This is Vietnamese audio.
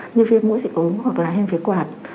như viêm mũi dị ứng hoặc là hêm phía quạt